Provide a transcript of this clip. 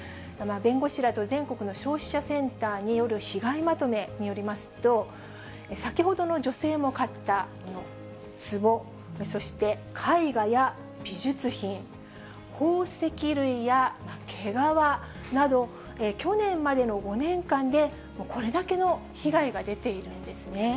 弁護士らと全国の消費者センターによる被害まとめによりますと、先ほどの女性も買ったつぼ、そして、絵画や美術品、宝石類や毛皮など、去年までの５年間でこれだけの被害が出ているんですね。